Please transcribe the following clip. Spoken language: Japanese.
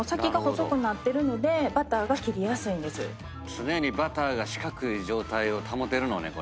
常にバターが四角い状態を保てるのねこれ。